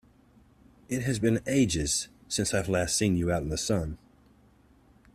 It has been ages since I've last seen you out in the sun!